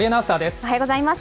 おはようございます。